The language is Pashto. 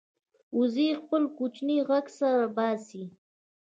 وزې خپل کوچنی غږ سره باسي